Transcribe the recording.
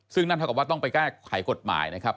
ซึ่งนั่นเท่ากับว่าต้องไปแก้ไขกฎหมายนะครับ